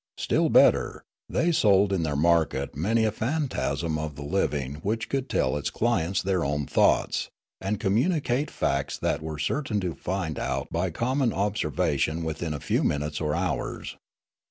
Still better, they sold in their market many a phantasm of the living which could tell its clients their own thoughts, and communicate facts that they were certain to find out by common observation within a few minutes or hours.